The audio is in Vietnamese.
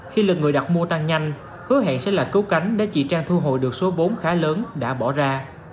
khi lực người đặt mua tăng nhanh hứa hẹn sẽ là cấu cánh để chị trang thu hồi được số vốn khá lớn đã bỏ ra